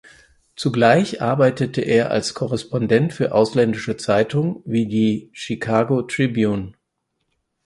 Zugleich arbeitete er als Korrespondent für ausländische Zeitungen wie die Chicago Tribune.